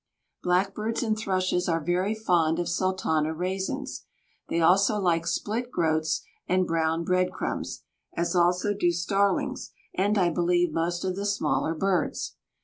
Blackbirds and thrushes are very fond of Sultana raisins; they also like split groats and brown bread crumbs, as also do starlings and, I believe, most of the smaller birds.